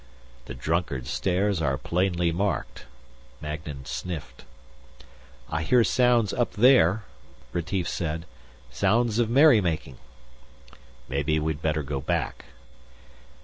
"The Drunkard's Stairs are plainly marked," Magnan sniffed. "I hear sounds up there," Retief said. "Sounds of merrymaking." "Maybe we'd better go back."